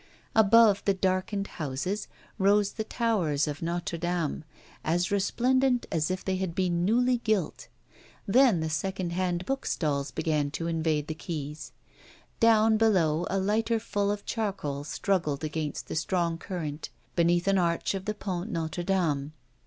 Above the darkened houses rose the towers of Notre Dame, as resplendent as if they had been newly gilt. Then the second hand bookstalls began to invade the quays. Down below a lighter full of charcoal struggled against the strong current beneath an arch of the Pont Notre Dame.